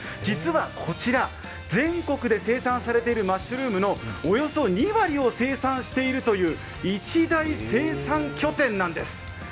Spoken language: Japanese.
実はこちら、全国で生産されているマッシュルームのおよそ２割を生産しているという一大生産拠点なんです。